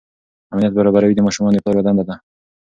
امنیت برابروي د ماشومانو د پلار یوه دنده ده.